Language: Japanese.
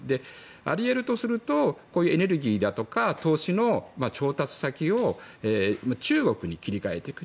あり得るとするとエネルギーだとか投資の調達先を中国に切り替えていく。